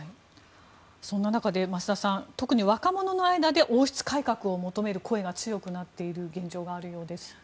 そんな中で、増田さん特に若者の間で王室改革を求める声が強くなっている現状もあるようです。